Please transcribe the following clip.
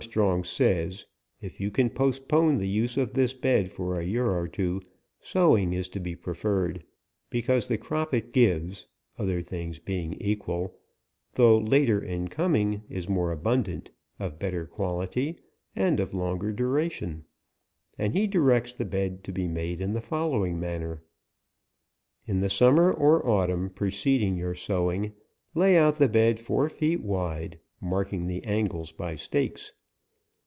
59 strong says, " if you can postpone the use of this plant for a year or two, sowing is to be preferred, because the crop it gives (other things being equal) though later in coming, is more abundant, of better quality, and of longer duration ;" and he directs the bed to be made in the following manner, " In the summer or autumn preceding your sowing, lay out the bed four feet wide, mark ing the angles by stakes.